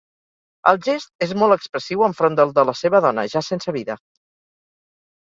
El gest és molt expressiu enfront del de la seva dona, ja sense vida.